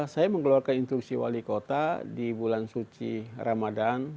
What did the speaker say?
saya mengeluarkan instruksi wali kota di bulan suci ramadan